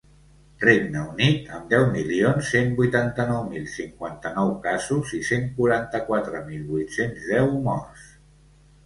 Regne Unit, amb deu milions cent vuitanta-nou mil cinquanta-nou casos i cent quaranta-quatre mil vuit-cents deu morts.